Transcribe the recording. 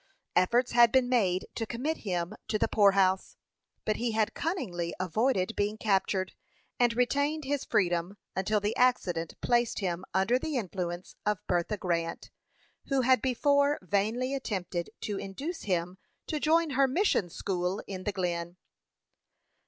Efforts had been made to commit him to the poorhouse; but he had cunningly avoided being captured, and retained his freedom until the accident placed him under the influence of Bertha Grant, who had before vainly attempted to induce him to join her mission school in the Glen.